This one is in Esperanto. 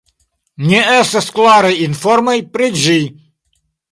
Ne estas klaraj informoj pri ĝi.